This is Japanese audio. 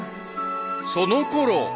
［そのころ］